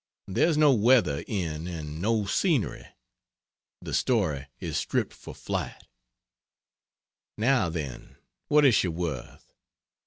There's no weather in, and no scenery the story is stripped for flight! Now, then what is she worth?